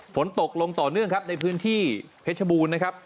ฝนตกลงต่อเนื่องครับในพื้นที่เพชรบูรณ์นะครับ